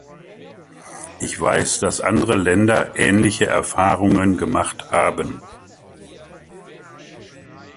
Ich weiß, dass andere Länder ähnliche Erfahrungen gemacht haben.